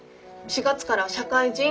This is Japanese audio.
４月から社会人。